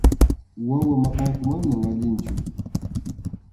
Wawa maqayqa manam allinchu.